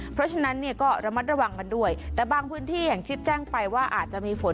เพราะฉะนั้นเนี่ยก็ระมัดระวังกันด้วยแต่บางพื้นที่อย่างที่แจ้งไปว่าอาจจะมีฝน